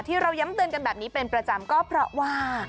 ที่เราย้ำเตือนกันแบบนี้เป็นประจำก็เพราะว่า